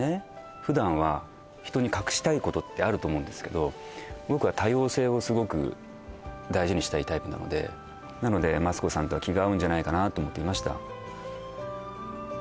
普段は人に隠したいことってあると思うんですけど僕は多様性をすごく大事にしたいタイプなのでなのでと思っていました